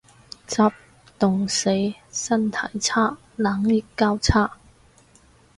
執，凍死。身體差。冷熱交叉